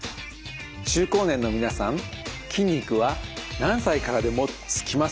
中高年の皆さん筋肉は何歳からでもつきますよ。